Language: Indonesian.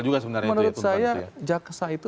juga sebenarnya menurut saya jaksa itu